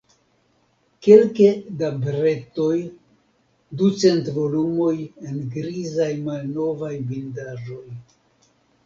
Kelke da bretoj, ducent volumoj en grizaj, malnovaj bindaĵoj.